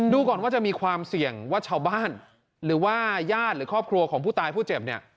ก่อนว่าจะมีความเสี่ยงว่าชาวบ้านหรือว่าญาติหรือครอบครัวของผู้ตายผู้เจ็บเนี่ย